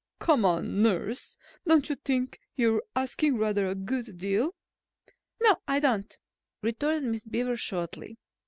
"Come now, nurse, don't you think you're asking rather a good deal?" "No, I don't," retorted Miss Beaver shortly.